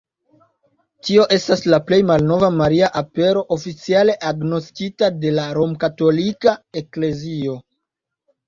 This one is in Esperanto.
Tio estas la plej malnova Maria Apero oficiale agnoskita de la Romkatolika Eklezio.